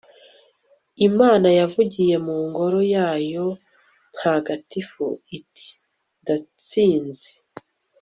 imana yavugiye mu ngoro yayo ntagatifu, iti ndatsinze